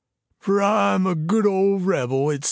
For I'm a good old rebel, etc.